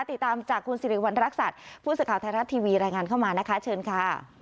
ติดตามจากคุณสิริวัณรักษัตริย์ผู้สื่อข่าวไทยรัฐทีวีรายงานเข้ามานะคะเชิญค่ะ